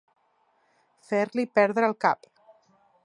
Fer-li perdre el cap.